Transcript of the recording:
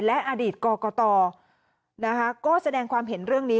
และอดีตกรกตนะคะก็แสดงความเห็นเรื่องนี้